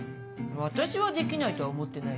私はできないとは思ってないよ。